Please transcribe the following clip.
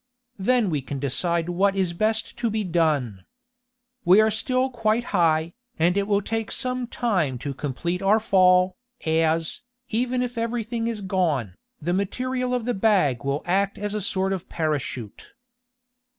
"Then we can decide what is best to be done. We are still quite high, and it will take some time to complete our fall, as, even if everything is gone, the material of the bag will act as a sort of parachute."